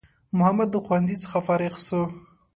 محمد د ښوونځی څخه فارغ سو